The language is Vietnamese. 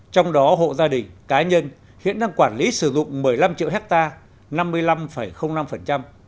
trong đó hộ gia đình cá nhân hiện đang quản lý sử dụng một mươi năm triệu hectare năm mươi năm năm